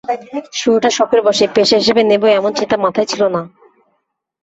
শুরুটা শখের বশেই, পেশা হিসেবে নেব এমন চিন্তা মাথায় ছিল না।